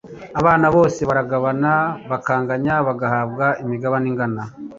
abana bose baragabana bakanganya bagahabwa imigabane ingana